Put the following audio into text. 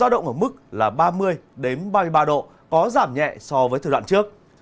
đến ba mươi ba độ có giảm nhẹ so với thời đoạn trước